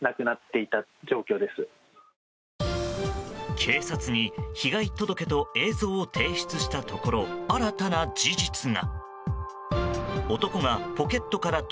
警察に被害届と映像を提出したところ新たな事実が。